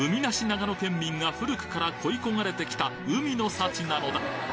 長野県民が古くから恋焦がれてきた海の幸なのだ